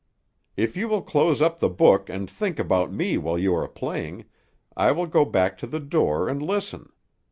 "If you will close up the book, and think about me while you are playing, I will go back to the door, and listen.